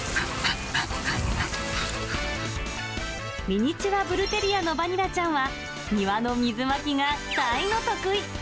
ミニチュアブルテリアのバニラちゃんは、庭の水まきが大の得意。